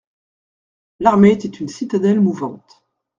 L'armée était une citadelle mouvante.